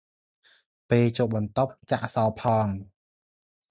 ពេលចូលបន្ទប់ ចាក់សោរផង ។